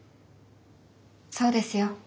そうですよ。